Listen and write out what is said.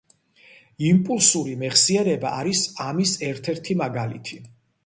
იმპულსური მეხსიერება არის ამის ერთ-ერთი მაგალითი.